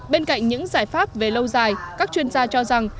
bên cạnh những giải pháp về lâu dài các chuyên gia cho rằng